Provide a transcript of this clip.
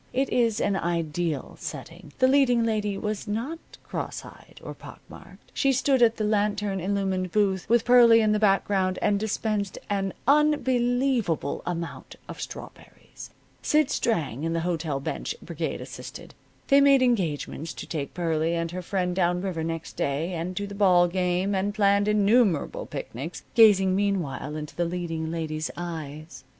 It is an ideal setting. The leading lady was not cross eyed or pock marked. She stood at the lantern illumined booth, with Pearlie in the background, and dispensed an unbelievable amount of strawberries. Sid Strang and the hotel bench brigade assisted. They made engagements to take Pearlie and her friend down river next day, and to the ball game, and planned innumerable picnics, gazing meanwhile into the leading lady's eyes.